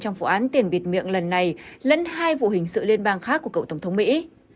trong vụ án tiền bịt miệng lần này lẫn hai vụ hình sự liên bang khác của cựu tổng thống mỹ